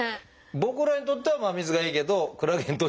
僕らにとっては真水がいいけどクラゲにとっちゃ